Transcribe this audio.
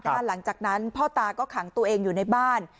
หลังจากนั้นพ่อตาก็ขังตัวเองอยู่ในบ้าน